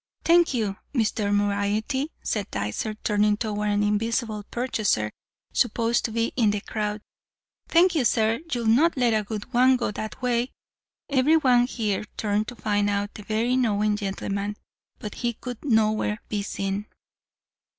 'Thank you, Mr. Moriarty,' said Dycer, turning toward an invisible purchaser supposed to be in the crowd. 'Thank you, sir, you'll not let a good one go that way.' Every one here turned to find out the very knowing gentleman; but he could nowhere be seen.